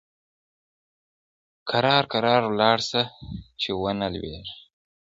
کرار کرار ولاړ سه چي و نه لوېږې.